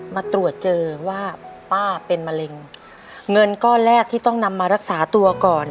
มาตรวจเจอว่าป้าเป็นมะเร็งเงินก้อนแรกที่ต้องนำมารักษาตัวก่อน